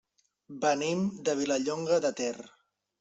Venim de Vilallonga de Ter.